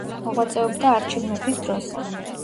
მოღვაწეობდა არჩილ მეფის დროს.